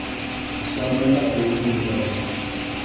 usanga mbateye imbogamizi